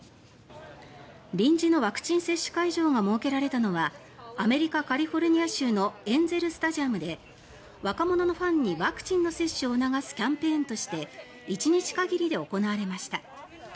臨時のワクチン接種会場が設けられたのはアメリカ・カリフォルニア州のエンゼル・スタジアムで若者のファンにワクチンの接種を促すキャンペーンとして１日限りで行われました。